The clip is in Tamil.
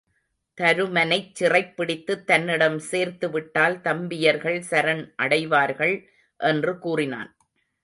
தருமனைச் சிறைப்பிடித்துத் தன்னிடம் சேர்த்து விட்டால் தம்பியர்கள் சரண் அடைவார்கள் என்று கூறினான்.